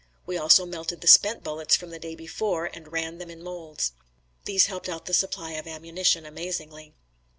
We also melted the spent bullets from the day before and ran them in molds. These helped out the supply of ammunition amazingly.